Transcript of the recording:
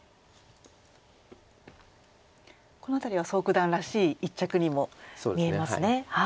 この辺りは蘇九段らしい一着にも見えますね。